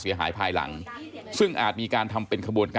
ร้องร้องร้องร้องร้องร้องร้อง